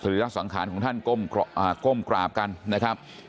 รีระสังขารของท่านก้มกราบกันนะครับ